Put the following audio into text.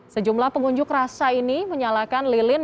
sejumlah pengunjuk rasa ini menyalakan lilin